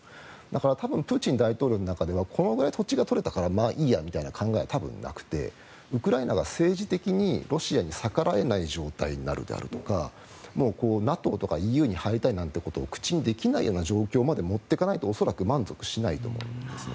だから、多分プーチン大統領の中ではこれくらい土地が取れたからいいやという話は多分、なくてウクライナが政治的にロシアに逆らえない状態であるとかもうＮＡＴＯとかＥＵに入りたいなんてことを口にできない状況まで持っていかないと恐らく満足しないと思います。